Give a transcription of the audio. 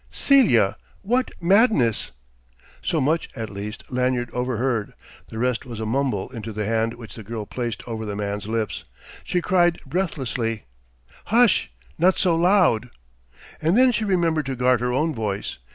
"Celia! what madness!" So much, at least, Lanyard overheard; the rest was a mumble into the hand which the girl placed over the man's lips. She cried breathlessly: "Hush! not so loud!" And then she remembered to guard her own voice.